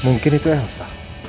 mungkin itu elsa